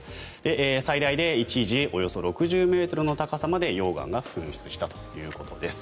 最大で一時およそ６０ｍの高さまで溶岩が噴出したということです。